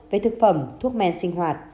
về thực phẩm thuốc men sinh hoạt